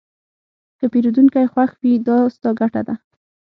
که پیرودونکی خوښ وي، دا ستا ګټه ده.